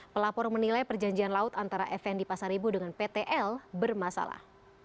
pelapor menilai perjanjian laut antara fnd pasar ibu dengan ptl bermasalah